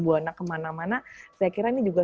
buwana kemana mana saya kira ini juga